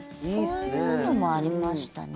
そういうのもありましたね